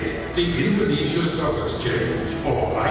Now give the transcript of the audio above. perusahaan perusahaan perusahaan indonesia atau idx